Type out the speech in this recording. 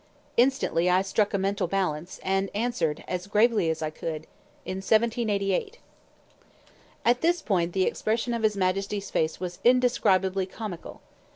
Instantly I struck a mental balance, and answered, as gravely as I could, "In 1788." At this point the expression of his Majesty's face was indescribably comical.